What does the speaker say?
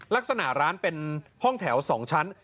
ลักษณะร้านเป็นห้องแถว๒ชั้น